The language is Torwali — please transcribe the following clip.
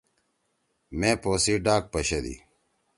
مے پو سی ڈاک پشَدی۔